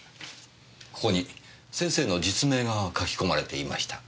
ここに先生の実名が書き込まれていました。